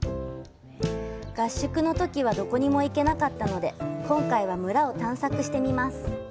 合宿のときはどこにも行けなかったので、今回は村を探索してみます。